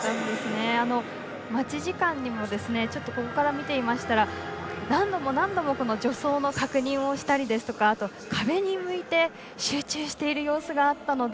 待ち時間にもここから見ていましたら何度も何度も助走の確認をしたりですとか壁に向いて集中している様子があったので。